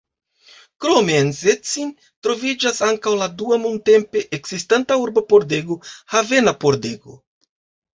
Krome, en Szczecin troviĝas ankaŭ la dua nuntempe ekzistanta urba pordego: Havena Pordego.